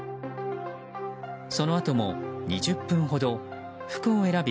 そのあとも２０分ほど服を選び